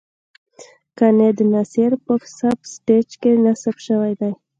کاندنسر په سب سټیج کې نصب شوی دی.